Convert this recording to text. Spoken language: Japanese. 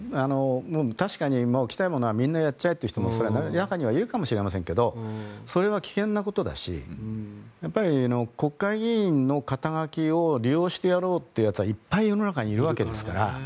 確かに来たものはみんなやっちゃえという人も中にはいるかもしれませんがそれは危険なことだしやっぱり国会議員の肩書を利用してやろうという人はいっぱい世の中にいるわけですから。